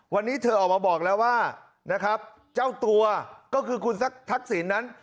วันนี้เธอออกมาบอกแล้วว่านะครับเจ้าตัวก็คือคุณทักษิณนั้น